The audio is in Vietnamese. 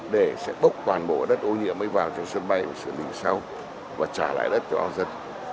để sẽ bốc toàn bộ đất ô nhiễm mới vào trong sân bay để xử lý sau và trả lại đất cho dân